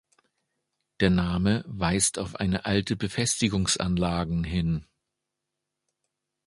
Der Name weist auf eine alte Befestigungsanlagen hin.